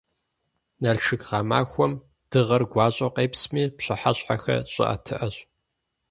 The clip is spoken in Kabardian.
Налшык гъэмахуэм дыгъэр гуащӏэу къепсми, пщыхьэщхьэхэр щӏыӏэтыӏэщ.